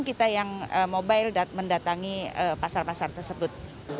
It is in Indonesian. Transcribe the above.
kita yang mobile mendatangi pasar pasar tersebut